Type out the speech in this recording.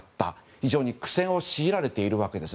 非常に苦戦を強いられています。